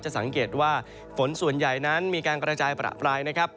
สังเกตว่าฝนส่วนใหญ่นั้นมีการกระจายประปรายนะครับ